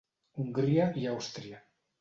Hongria i Àustria.